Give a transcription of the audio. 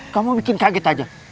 kamu bikin kaget aja